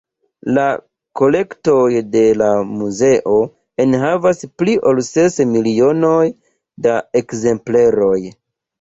La kolektoj de la Muzeo enhavas pli ol ses milionoj da ekzempleroj.